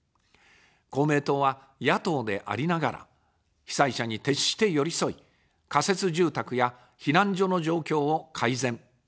公明党は野党でありながら、被災者に徹して寄り添い、仮設住宅や避難所の状況を改善。